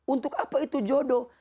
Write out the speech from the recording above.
untuk apa itu jodoh